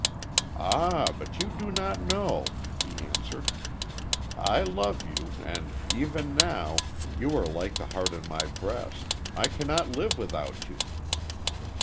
"Ah, but you do not know," he answered. "I love you, and, even now, you are like the heart in my breast I cannot live without you."